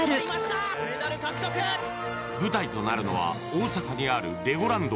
舞台となるのは大阪にあるレゴランド